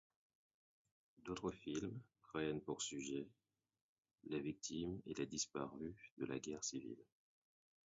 D’autres films prennent pour sujet les victimes et les disparus de la guerre civile.